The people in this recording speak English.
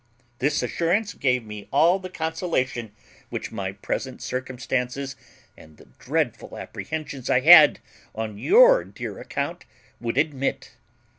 This assurance gave me all the consolation which my present circumstances and the dreadful apprehensions I had on your dear account would admit."